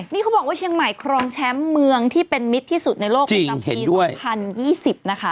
นี่เขาบอกว่าเชียงใหม่ครองแชมป์เมืองที่เป็นมิตรที่สุดในโลกประจำปี๒๐๒๐นะคะ